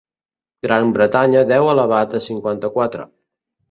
Gran Bretanya deu elevat a cinquanta-quatre.